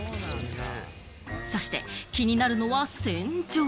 そして気になるのは洗浄。